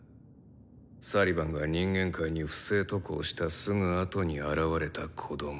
サリバンが人間界に不正渡航したすぐあとに現れた子供。